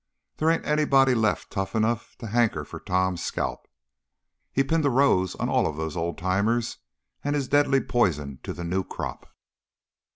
There ain't anybody left tough enough to hanker for Tom's scalp. He's pinned a rose on all of those old timers, and he's deadly poison to the new crop."